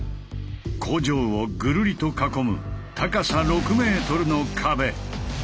工場をぐるりと囲む高さ６ｍの壁。